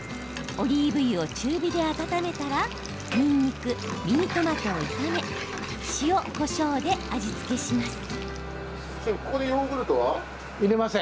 オリーブ油を中火で温めたらにんにく、ミニトマトを炒め塩、こしょうで味付けします。